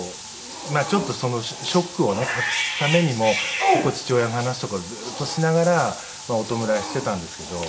ちょっとそのショックをね隠すためにも父親の話とかをずっとしながらお弔いしていたんですけど。